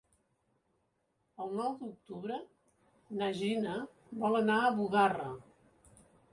El nou d'octubre na Gina vol anar a Bugarra.